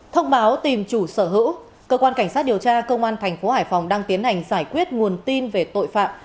thông báo tìm chủ sở hữu cơ quan cảnh sát điều tra cơ quan tp hải phòng đang tiến hành giải quyết nguồn tin về tội phạm